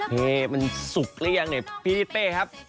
เฮ้มันสุกแล้วยังเนี่ยพี่ริเฟ่ครับ